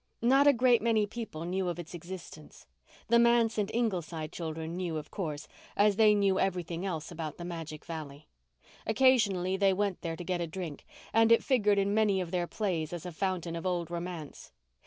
Not a great many people knew of its existence. The manse and Ingleside children knew, of course, as they knew everything else about the magic valley. Occasionally they went there to get a drink, and it figured in many of their plays as a fountain of old romance.